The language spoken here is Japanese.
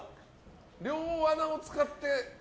両穴を使って。